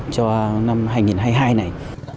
cho năm hai nghìn hai mươi hai này